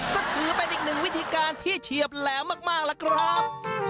ก็ถือเป็นอีกหนึ่งวิธีการที่เฉียบแหลมมากล่ะครับ